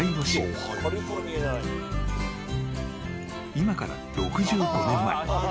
［今から６５年前］